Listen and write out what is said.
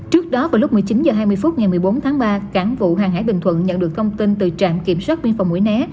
trước đó vào lúc một mươi chín h hai mươi phút ngày một mươi bốn tháng ba cảng vụ hàng hải bình thuận nhận được thông tin từ trạm kiểm soát biên phòng mũi né